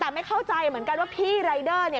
แต่ไม่เข้าใจเหมือนกันว่าพี่รายเดอร์เนี่ย